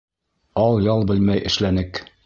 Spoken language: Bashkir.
Ал-ял белмәй эшләнек.